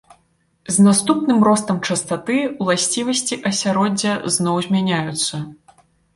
З наступным ростам частаты уласцівасці асяроддзя зноў змяняюцца.